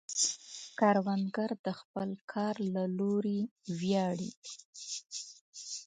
کروندګر د خپل کار له لارې ویاړي